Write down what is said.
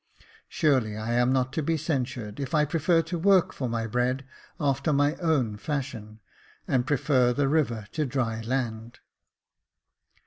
Surely I am not to be censured, if I prefer to work for my bread after my own fashion, and prefer the river to dry land